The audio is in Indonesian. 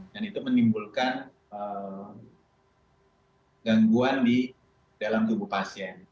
dan itu menimbulkan gangguan di dalam tubuh pasien